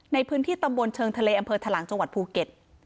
ในพื้นที่ตำบลเชิงทะเลอำเภอทะลังจังหวัดภูเก็ต